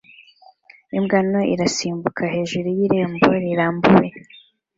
Imbwa nto irasimbuka hejuru y'irembo rirambuye